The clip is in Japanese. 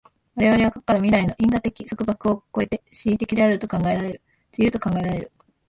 我々は過去から未来への因果的束縛を越えて思惟的であると考えられる、自由と考えられる。